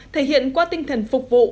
thể hiện qua tinh thần phục vụ